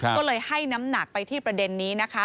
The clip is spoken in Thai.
ก็เลยให้น้ำหนักไปที่ประเด็นนี้นะคะ